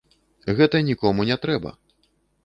Гэта нікому не трэба.